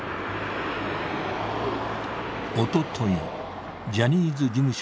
おととい、ジャニーズ事務所